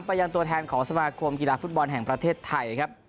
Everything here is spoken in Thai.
ประยังตัวแทนของสมาครวงศ์กีฬาฟุตบอลแห่งประเทศไทย